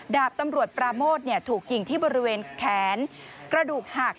ดาบตำรวจปราโมทถูกยิงที่บริเวณแขนกระดูกหัก